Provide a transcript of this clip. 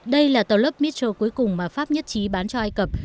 đây là tàu lớp mistro cuối cùng mà pháp nhất trí bán cho ai cập